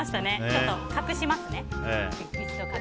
ちょっと隠しますね。